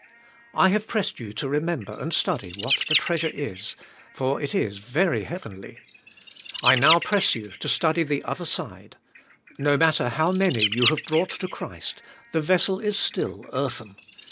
I have pressed you to remember and study what the treas ure is, for it is very heavenly. I now press you to 168 THK SPIRITUAL LIFE. study the other side; no matter how many you have brought to Christ, the vessel is still earthen.